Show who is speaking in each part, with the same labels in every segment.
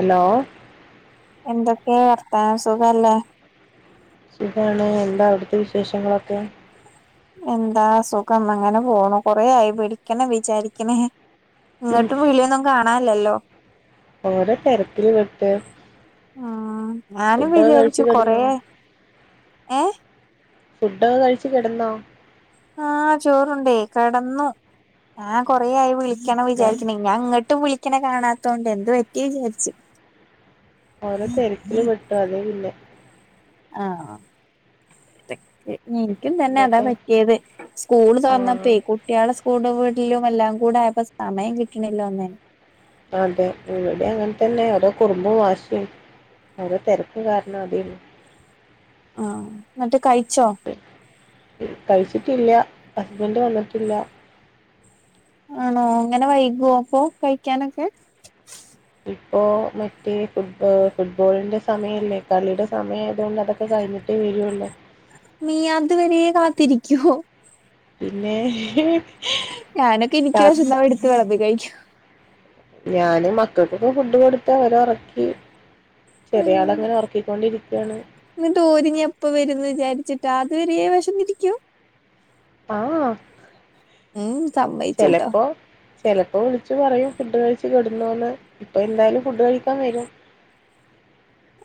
Speaker 1: Hello
Speaker 2: എന്തൊക്കെ വാർത്തനൊ സുഖല്ലേ
Speaker 1: സുഖാണ് എന്താ അവിടുത്തെ വിശേഷങ്ങളൊക്കെ
Speaker 2: എന്താ സുഖം അങ്ങനെ പോണു കൊറേയായി പിടിക്കണം വിചാരിക്കണെ
Speaker 1: ഉം
Speaker 2: ഇങ്ങട്ടു വിളിയൊന്നു കാണാനില്ലല്ലോ
Speaker 1: ഓരോ തരത്തില് വിട്ട്
Speaker 2: ആ ഞാനും
Speaker 1: കഴിച്ചു
Speaker 2: വിചാരിച്ചു കൊറേ
Speaker 1: കിടന്നോ
Speaker 2: ഏ
Speaker 1: ഫുഡ്ഡൊക്കെക്കഴിച്ച് കെടന്നോ
Speaker 2: ആഹ് ചോറുണ്ടേ കെടന്നു ഞാൻ കൊറേയായി വിളിക്കണം
Speaker 1: ല്ലെ
Speaker 2: വിചാരിക്ക്ണെ ഞ ഇങ്ങ്ട്ടും വിളിക്കണ കാണാത്തോണ്ടേ എന്ത്‌പറ്റി വിചാരിച്ച്
Speaker 1: ഓരോ തെരക്കില് പെട്ടു അതേ പിന്നെ
Speaker 2: ആ എടക്ക് ഇൻക്കും തെന്നെ അതാ
Speaker 1: എന്നിട്ട്
Speaker 2: പറ്റ്യേത് സ്കൂള്
Speaker 1: ആഹ്
Speaker 2: തൊറന്നപ്പേ കുട്ട്യാളെ സ്കൂള് വ്ടലും എല്ലാം കൂടായപ്പൊ സമയം കിട്ട്ണില്ല ഒന്നിനും
Speaker 1: അതെ ഇവിടെം അങ്ങൻത്തെന്നെ ഓരോ കുറുമ്പും വാശിയും ഓരോ തെരക്ക് കാരണം അതെര്ന്നു
Speaker 2: ആ ന്ന്ട്ട് കഴിച്ചോ
Speaker 1: കഴിച്ചിട്ടില്ല ഹസ്ബന്റ് വന്നിട്ടില്ല
Speaker 2: ആണോ ങ്ങനെ വൈകോ അപ്പൊ കഴിക്കാനൊക്കെ
Speaker 1: ഇപ്പോ മറ്റേ ഫുട് ഫുട്ബോളിന്റെ സമയല്ലേ കളിയുടെ സമയായതോണ്ടത് ക്കെ കഴിഞ്ഞിട്ടേ വെരൊള്ളു
Speaker 2: നീയത് വരെ കാത്തിരിക്കോ
Speaker 1: പിന്നേ
Speaker 2: ഞാനൊക്കെനിക്ക് വെശന്നാ പോയെടുത്ത് വെളമ്പിക്കഴിക്കും
Speaker 1: ഞാന് മക്കക്കൊക്കെ ഫുഡ് കൊടുത്തോരൊറക്കി ചെറിയാളങ്ങനൊറക്കിക്കൊണ്ടിക്കാണ്
Speaker 2: ന്ന്ട്ടോരിനിപ്പെ വെരുന്നിചാരിച്ചിട്ടാ അത് വെരെ വെഷന്നിരിക്കും
Speaker 1: ആ
Speaker 2: ഉം സമ്മ
Speaker 1: ചെലപ്പോ ചെലപ്പോ വിളിച്ച്പറയും ഫുഡ്കഴിച്ച് കെടന്നോന്ന് പ്പെന്തായാലും ഫുഡ് കഴിക്കാൻ വെരും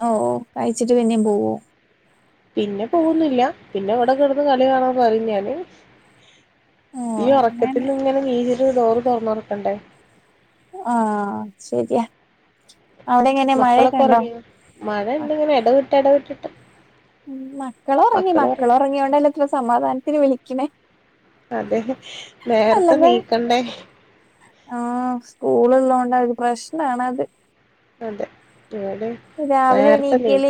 Speaker 2: ഓ കഴിച്ചിട്ട് പിന്നെം പോവോ
Speaker 1: പിന്നെ പോകൊന്നില്ല പിന്നെ ഇവിടെ കെടന്ന് കളികാണാൻ പറയും ഞാന്
Speaker 2: ഓ
Speaker 1: ഈ
Speaker 2: അങ്ങനെ
Speaker 1: ഒറക്കത്തിൽന്ന് ങ്ങനെ ണീച്ച്ട്ട് ഡോറ് തൊറന്നൊട്ക്കണ്ടേ
Speaker 2: ആ ശെരിയാ അവിടെങ്ങനെ മഴയൊക്ക്ണ്ടോ
Speaker 1: മഴണ്ട്ങ്ങനെ എടവിട്ടെടവിട്ടിട്ട്
Speaker 2: ഉം മക്കളൊറങ്ങി
Speaker 1: പറയും
Speaker 2: മക്കളൊറങ്യോണ്ടല്ലേ ഇത്ര സമാധാനത്തില് വിളിക്കണേ
Speaker 1: അതെ നേരത്തെ നീക്കണ്ടേ
Speaker 2: ആ സ്കൂള്ള്ളോണ്ടൊരു പ്രശ്നാണത്
Speaker 1: അതെ ഞാന്
Speaker 2: രാവിലെ എണീക്കലേ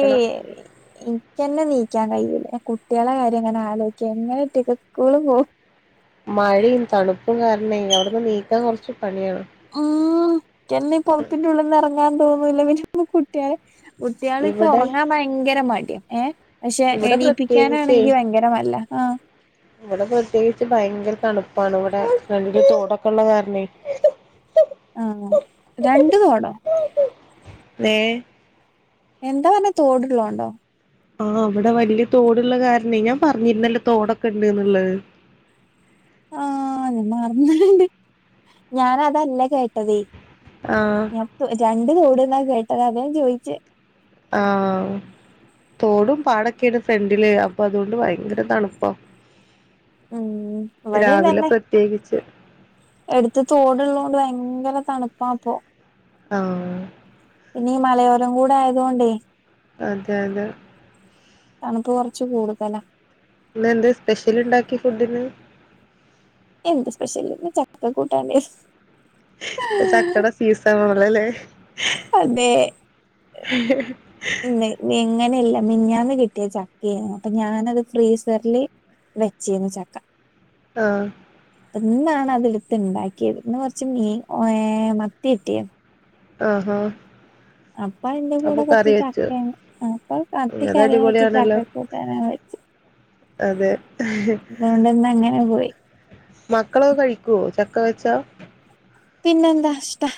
Speaker 2: ഇൻക്കെന്നെ ണീക്കാൻ കയ്യൂല്ല ഞാൻ കുട്ട്യാളെ കാര്യം ങ്ങനെ ആലോയ്ക്ക എങ്ങനെ ഇയ്റ്റൊക്കെ സ്കൂള് പോവും
Speaker 1: മഴെ തണുപ്പും കാരണേ അവ്ട്ന്ന് ണീക്കാൻ കൊർച്ച് പണിയാണ്
Speaker 2: ഉം ക്കന്നെ ഈ പൊതപ്പിന്റുള്ള്ന്ന് എറങ്ങാൻ തോന്നൂല്ല പിന്നെപ്പൊ കു ട്ട്യാള് കുട്ട്യാള്ക്ക്
Speaker 1: ഇവിടെ
Speaker 2: ഒറങ്ങാൻ ഭയങ്കര മടിയാ ഏ പക്ഷെ
Speaker 1: ഇവിടെ പ്രത്യേകിച്ചേ
Speaker 2: എണീപ്പിക്കാനാണെങ്കി ഭയങ്കര നല്ലാ ആ
Speaker 1: ഇവടെ പ്രത്യേകിച്ച് ഭയങ്കര തണുപ്പാണ് ഇവിടെ ഫ്രണ്ടി തോടൊക്കെള്ള കാരണേ
Speaker 2: ആഹ് രണ്ട് തോടോ
Speaker 1: ഏ
Speaker 2: എന്താ പറഞ്ഞെ തോടുള്ളോണ്ടോ
Speaker 1: ആ വടെ വല്യ തോട്ള്ള കാരണേ ഞാൻ പറഞ്ഞിരുന്നല്ലോ തോടൊക്കെ ഉണ്ട്ന്ന്ള്ളത്
Speaker 2: ആ ഞാൻ മറന്ന്ണ്ണ്ട് ഞാനതല്ല കേട്ടതേ
Speaker 1: ആ
Speaker 2: ഞാപ്പൊ രണ്ട് തോട്ന്നാ കേട്ടത് അതാ ഞാൻ ചോയിച്ചേ
Speaker 1: ആ തോടും പാടൊക്കെണ് ഫ്രണ്ടില് അപ്പൊ അതോണ്ട് ഭയങ്കര തണ്പ്പാ
Speaker 2: ഉം
Speaker 1: രാവിലെ പ്രത്യേകിച്ച്
Speaker 2: എട്ത്ത് തോടുള്ളോണ്ട് ഭയങ്കര തണ്പ്പാപ്പൊ
Speaker 1: ആ
Speaker 2: പിന്നീ മലയോരം കൂടെ ആയതോണ്ടേ
Speaker 1: അതെ അതെ
Speaker 2: തണുപ്പ് കൊർച്ച് കൂടുതലാ
Speaker 1: ഇന്ന് എന്ത് സ്പെഷ്യൽ ഇണ്ടാക്കി ഫുഡിന്
Speaker 2: എന്ത് സ്പെഷ്യൽന്ന് ചക്ക കൂട്ടാണ്ട്
Speaker 1: ഇപ്പ ചക്കേടെ സീസണാണല്ലല്ലേ
Speaker 2: അതെ എങ്ങനെയല്ല മിനിഞ്ഞാന്ന് കിട്ടിയ ചക്കേനു അപ്പൊ ഞാനത് ഫ്രീസറില് വെച്ചീരുന്നു ചക്ക
Speaker 1: ആഹ്
Speaker 2: ഇന്നാണ് അതെടുത്ത്ണ്ടാക്കിയത് ഇന്ന് കുറച്ച് മീൻ ഓ ഏ മത്തിയിട്ടി
Speaker 1: ആഹാ
Speaker 2: അപ്പൊ അയിന്റെ
Speaker 1: അപ്പൊ
Speaker 2: കൂടെ കുറച്ച്
Speaker 1: കറി വെച്ചു
Speaker 2: ചക്ക അപ്പൊ മത്തി
Speaker 1: അത്
Speaker 2: കറിം വെച്ച്
Speaker 1: അടിപൊളിയാണല്ലോ
Speaker 2: ചക്കക്ക് [unintelligible] വച്ച്
Speaker 1: അതെ
Speaker 2: അതുകൊണ്ടിന്നങ്ങനെ പോയി
Speaker 1: മക്കള് കഴിക്കുവോ ചക്ക വെച്ചാ
Speaker 2: പിന്നെന്താ ഇഷ്ടാ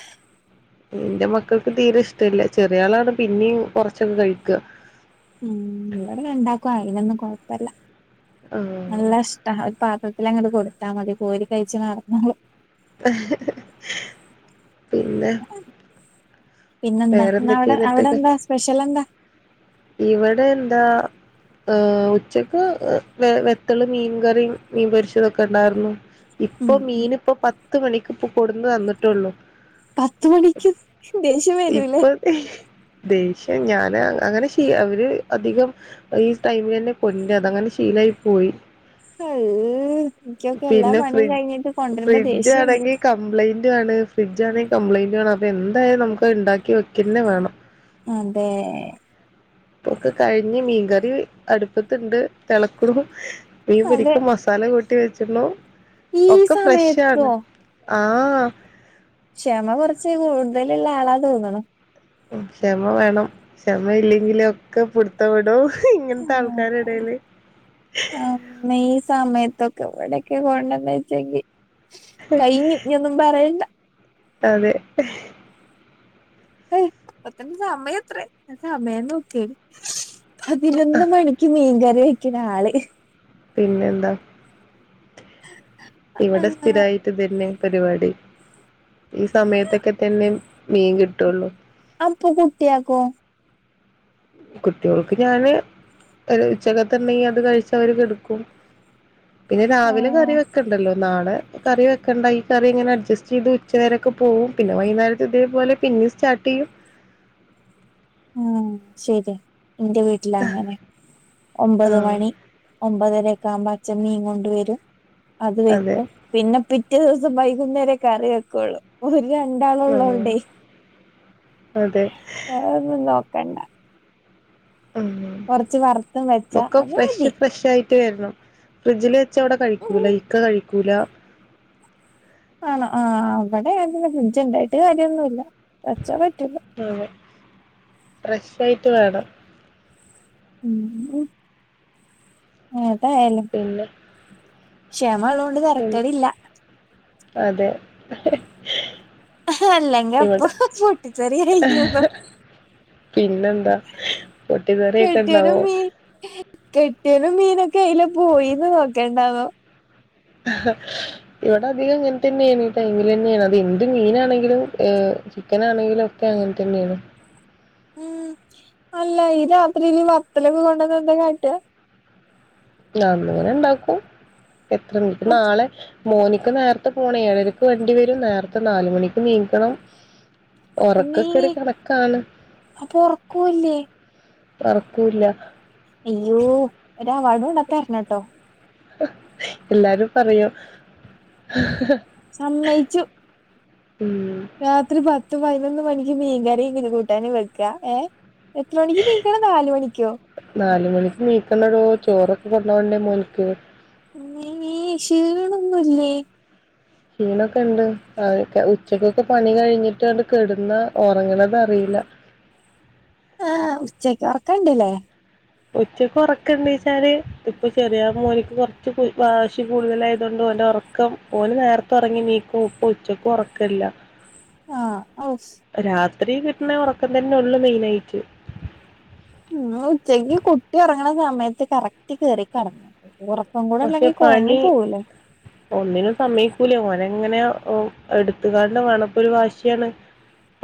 Speaker 1: എന്റെ മക്കൾക്ക് തീരെ ഇഷ്ടല്ല ചെറിയ ആളാണ് പിന്നെയും കുറച്ചൊക്കെ കഴിക്കുക
Speaker 2: ഉം ഇവിടെ രണ്ടാക്കും അയിനൊന്നും കൊഴപ്പല്ല
Speaker 1: ആഹ്
Speaker 2: നല്ല ഇഷ് ട്ടാ ഒരു പാത്രത്തിൽ അങ്ങട് കൊടുത്താ മതി കോരി കഴിച്ച് നടന്നോളും
Speaker 1: ഹ് ഹ് ഹ് പിന്നെ
Speaker 2: പിന്നെന്താ
Speaker 1: വേറെന്തൊക്കെയാ
Speaker 2: ഇന്നവിടെ അവിടെ
Speaker 1: എന്നിട്ടൊക്കെ
Speaker 2: എന്താ സ്പെഷ്യൽ എന്താ
Speaker 1: ഇവിടെ എന്താ ഏഹ് ഉച്ചക്ക് വെത്തള് മീൻ കറിം മീൻ പൊരിച്ചതൊക്കെ ഇണ്ടാരുന്നു ഇപ്പൊ
Speaker 2: ഉം
Speaker 1: മീൻ ഇപ്പൊ പത് പത്ത് മണിക്ക് ഇപ്പൊ കൊടുന്ന് തന്നിട്ടേള്ളൂ
Speaker 2: പത്ത് മണിക്ക് ദേഷ്യം വരൂലേ
Speaker 1: ഇപ്പൊ ദേഷ്യം ഞാന് അങ്ങനെ ഇഷ് അവര് അധികം ഈ ടൈമിലന്നെ [unintelligible] അതങ്ങനെ ശീലായി പോയി
Speaker 2: ഓ എനിക്കൊക്കെ എല്ലാ
Speaker 1: പിന്നെ
Speaker 2: പണിയും കഴിഞ്ഞിട്ട് കൊണ്ടുവരുമ്പോ ദേഷ്യാണ്
Speaker 1: കംപ്ലയിന്റ് ആണ് ഫ്രിഡ്ജാണെ കംപ്ലയിന്റ് ആണ് അപ്പ എന്തായാലും നമ്മക്ക് അത് ഇണ്ടാക്കി വെക്കന്ന വേണം
Speaker 2: അതെ
Speaker 1: പ്പൊക്കെ കഴിഞ്ഞ് മീൻകറി അടുപ്പത്തിണ്ട് തിളക്കണു മീൻ
Speaker 2: അതെ
Speaker 1: പൊരിക്ക മസ് തല കൂട്ടി വെചോള്ളു
Speaker 2: ഈ
Speaker 1: ഒക്കെ ഫ്രഷ്
Speaker 2: സമയത്തോ
Speaker 1: ആണ് ആഹ്
Speaker 2: ക്ഷമ കുറച്ച് കൂടുതലുള്ള ആളാന്ന് തോന്നണു
Speaker 1: ഉം ക്ഷമ വേണം ക്ഷമ ഇല്ലെങ്കിൽ ഒക്കെ പിടിത്തം വിടും ഇങ്ങനത്തെ ആൾക്കാരെടയിൽ
Speaker 2: ഈ സമയത്തൊക്കെ ഇവിടൊക്കെ കൊണ്ടന്ന് വെച്ചെങ്കി കയിഞ്ഞു ഒന്നും പറയണ്ട
Speaker 1: അതെ
Speaker 2: ഏയ് ഇപത്തന്ന സമയത്രയ് സമയം നോക്കെ പതിനൊന്ന് മണിക്ക് മീൻകറി വെക്കണ ആള്
Speaker 1: പിന്നെ എന്താ ഇവിടെ
Speaker 2: ആഹ്
Speaker 1: സ്ഥിരായിട്ട് ഇതന്നെ പരിപാടി ഈ സമയത്തൊക്കെ തന്നെ മീൻ കിട്ടോള്ളൂ
Speaker 2: അപ്പൊ കുട്ടിയാക്കൊ
Speaker 1: കുട്ട്യോൾക്ക് ഞാന് ഒരു ഉച്ചകത്തെ ഇണ്ടെങ്കി അത് കഴിച് അവര് കെടക്കും
Speaker 2: [inaudible]
Speaker 1: പിന്നെ രാവിലെ കറി വെക്കണ്ടല്ലോ നാളെ കറി വെക്കണ്ട ഈ കറി ഇങ്ങനെ അഡ്ജസ്റ്റ് ചെയ്ത് ഉച്ച വരൊക്കെ പോവും പിന്നെ വൈകുനേരത്ത് ഇതേപോലെ പിന്നേം സ്റ്റാർട്ട് ചെയ്യും
Speaker 2: ഉം ശരി എന്റെ വീട്ടില് അങ്ങനെ ഒമ്പത്
Speaker 1: ആഹ്
Speaker 2: മണി ഒമ്പതര ക്കെ ആവുമ്പോ അച്ഛൻ മീൻ കൊണ്ട് വരും അത്
Speaker 1: അതെ
Speaker 2: വെക്കും പിന്നെ പിറ്റേ ദിവസം വൈകുന്നേരെ കറി വെക്കോളൂ ഒരു രണ്ടാളൊ
Speaker 1: ആഹ്
Speaker 2: ള്ളോണ്ടേ
Speaker 1: അതെ
Speaker 2: വേറൊന്നും നോക്കണ്ട
Speaker 1: ഉം
Speaker 2: കൊറച് വർ
Speaker 1: ഒക്കെ ഫ്രഷ് ഫ്രഷായിട്ട് വരണം. ഫ്രിഡ്ജില് വെച്ച ഇവട
Speaker 2: ഉം
Speaker 1: കഴിക്കൂല. ഇക്ക കഴി ക്കൂലാ
Speaker 2: ആണോ.. ആഹ് വടെ അങ്ങൻ തന്നെ. ഫ്രിഡ്ജ് ണ്ടായിട്ട് കാര്യൊന്നുല്ല. വെച്ചാ പറ്റൂല
Speaker 1: അതെ.. ഫ്രഷ് ആയിട്ട് വേണം
Speaker 2: ഉം ഉം ഏതായാലും
Speaker 1: പിന്നെ
Speaker 2: ക്ഷമള്ളോണ്ട്
Speaker 1: ഉം
Speaker 2: തരക്കടില്ല
Speaker 1: അതെ
Speaker 2: അല്ലെങ്കി
Speaker 1: ഇവിടെ
Speaker 2: എപ്പളോ പൊട്ടിത്തെറി കയ് ഞ് നൊ
Speaker 1: പിന്നെന്താ പൊട്ടിത്തെറി ഒക്കെ ഇണ്ടാവോ
Speaker 2: കെട്ട്യോനും മീനൊക്കെ എയിലെ പോയിന്ന് നോക്കണ്ടാവ
Speaker 1: അഹ ഇവിടെ അധികം ഇങ്ങൻതന്നേണ്. ഈ ടൈമിലന്നേണ്. അതെന്ത് മീനാണെങ്കിലും ഏഹ് ചിക്കനാണെങ്കിലൊക് ക്ക അങ്ങൻ തന്നേണ്
Speaker 2: ഉം അല്ല, ഈ രാത്രീല് വത്തലൊക്കെ കൊണ്ടന്ന എന്താ കാട്ട
Speaker 1: ഞാങ്ങനെ ഇണ്ടാക്കൂ. എത്ര മി
Speaker 2: അത്
Speaker 1: നാളെ മോനിക്ക് നേർത്തെ പോണേ. ഏഴരക്ക് വണ്ടി വരും. നേർത്തെ നാല് മണിക്ക് നീക്കണം
Speaker 2: നീ
Speaker 1: ഒറക്കൊക്കൊരു കണക്കാണ്
Speaker 2: അപ്പൊ ഉറക്കൂല്ലേ
Speaker 1: ഒറക്കൂല്ല
Speaker 2: അയ്യോ.. ഒരവാർഡ് കൊണ്ട തരണട്ടോ
Speaker 1: എല്ലാരും പറയും
Speaker 2: സമ്മയ്ച്ചു
Speaker 1: ഉം
Speaker 2: രാത്രി പത്ത് പയ്നൊന്ന് മണിക്ക് മീൻകറീം ഇങ്ങനെ കൂട്ടാനും വെക്ക. ഏഹ് എത്ര മണിക്ക് നീക്കണം? നാല് മണിക്കോ?
Speaker 1: നാലുമണിക്ക് ണീക്കണൊടോ ചോറൊക്കെ കൊണ്ടോവണ്ടേ മോൻക്ക്
Speaker 2: അമ്മേ ക്ഷീണൊന്നുല്ലേ
Speaker 1: ക്ഷീണൊക്കെണ്ട്. ഞാന് ക്ക ഉച്ചക്കൊക്കെ പണി കഴിഞ്ഞിട്ടണ്ട് കെടുന്നാ ഒറങ്ങണതറീല
Speaker 2: ആഹ് ഉച്ചക്കൊറക്കണ്ട് ലെ
Speaker 1: ഉച്ചക്ക് ഒറക്ക്ണ്ട്ച്ചാല് ഇപ്പൊ ചെറിയ മോന്ക്ക് കൊർച്ച് കുയ് വാശി കൂടുതലായതോണ്ട് ഓന്റെ ഒറ ക്കം ഓന് നേർത്തെ ഒറങ്ങി നീക്കും. പ്പോ ഉച്ചക്കും ഒറക്കല്ല
Speaker 2: ആഹ് ഔഫ്
Speaker 1: രാത്രി കിട്ടണേ ഒറക്കം തന്നൊള്ളൂ മെയിനായിറ്റ്
Speaker 2: ഉം ഉച്ചക്ക് കുട്ടി ഒറങ്ങണ സമയത്ത് കറക്റ്റ് കേറി കെട [unintelligible] ഒറ ക്കം
Speaker 1: പക്ഷെ
Speaker 2: കൂടെല്ലെങ്കി
Speaker 1: പണി
Speaker 2: കൊഴങ്ങിപ്പോവൂലെ
Speaker 1: ഒന്നിനും സമ്മയ്ക്കൂലേ.. ഓനങ്ങനെ ഓ എടുത്തുകാണ്ട് വേണം പ്പൊരു വാശിയാണ്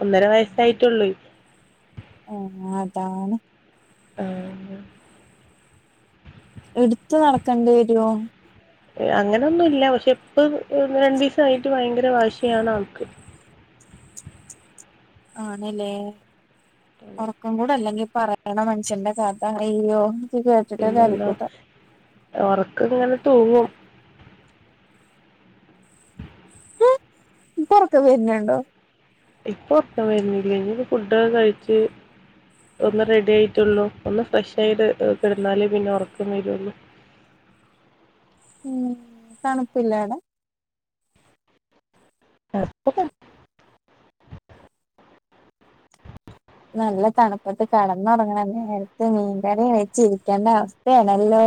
Speaker 1: ഒന്നര വയസ്സായിട്ടൊള്ളോയ്
Speaker 2: ഓ അതാണ്
Speaker 1: ആഹ്
Speaker 2: എടുത്ത് നടക്കണ്ടി വര്വോ
Speaker 1: ഏ അങ്ങനൊന്നും ഇല്ല പക്ഷെ ഇപ്പം ഒന്ന് രണ്ടീസായിട്ട് ഭയങ്കര വാശിയാണ് ആൾക്ക്
Speaker 2: ആണ് ലേ. ഒറക്കംകൂടല്ലെങ്കി പറയ ക്കണമൻഷന്റെ കാത്താറിയ്യോ [unintelligible]
Speaker 1: പിന്നെന്താ ഒറക്കങ്ങനെ തൂങ്ങും
Speaker 2: ഉം ഇപ്പൊറക്കെം വെര്നുണ്ടോ
Speaker 1: ഇപ്പൊ ഒർക്കം വര്ണില്ല്യ. ഇഞ്ഞിപ്പോ ഫുഡൊക്കെ കഴിച്ച് ഒന്ന് റെഡി ആയിട്ടുള്ളൂ, ഒന്ന് ഫ്രഷ് ആയിട്ട് കെടന്നാലേ പിന്നെ ഒർക്കം വരുള്ളൂ
Speaker 2: ഉം തണുപ്പില്ലേ ടെ
Speaker 1: [unintelligible]
Speaker 2: നല്ല തണുപ്പത്ത് കെടന്നൊറങ്ങണേന് നേരത്ത് മീൻകറി വെച്ചിരിക്കേണ്ട അവസ്ഥയാണല്ലോ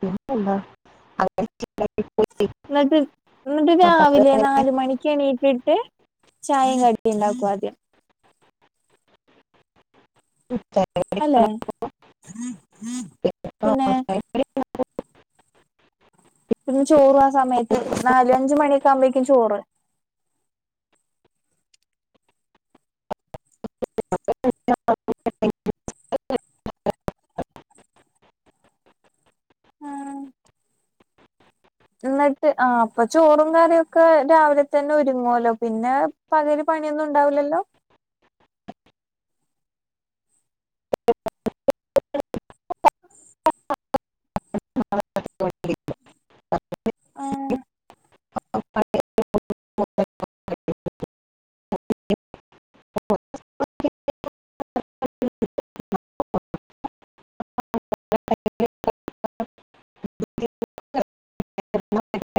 Speaker 1: പിന്നെന്താ അയ്
Speaker 2: ന്ന്ട്ട് എന്ന്ട്ട്
Speaker 1: അപ്പൊ
Speaker 2: രാവിലെ നാല് മണി ക്കെണീറ്റിട്ട് ചായയും കടിം ഇണ്ടാക്കോ ആദ്യം
Speaker 1: ഉം [unintelligible]
Speaker 2: അല്ലേ
Speaker 1: ആഹ് ചായ പൊടി
Speaker 2: പിന്നെ ചോറു ആ സമയത്ത് നാലുഅഞ്ച് മണിയൊക്കെ ആമ്പേക്കും ചോറ്
Speaker 1: [unintelligible]
Speaker 2: ആഹ് ന്ന്ട്ട് ആ അപ്പൊ ചോറും കറിയൊക്കെ രാവിലെത്തന്നെ ഒരുങ്ങുവല്ലോ പിന്നെ പകല് പണിയൊന്നും ഉണ്ടാവില്ലല്ലോ [inaudible]
Speaker 1: [unintelligible]
Speaker 2: ആഹ്
Speaker 1: [unintelligible] [unintelligible] [unintelligible]